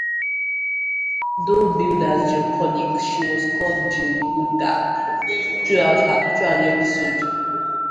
Though billed as Jill Connick, she was called Jill Goodacre throughout the episode.